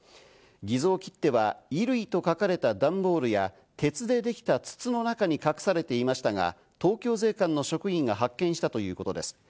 偽造切手は衣類と書かれた段ボールや、鉄でできた筒の中に隠されていましたが、東京税関の職員が発見したということです。